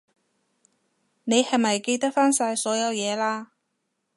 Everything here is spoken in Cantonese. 你係咪記得返晒所有嘢喇？